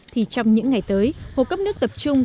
thì trong những ngày tới hồ cấp nước tập trung